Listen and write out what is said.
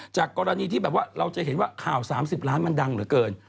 จากกรณีที่แบบว่าเราจะเห็นว่าข่าว๓๐ล้านมันดังเหลือเกิน